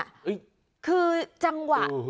เนี่ยคือจังหวะ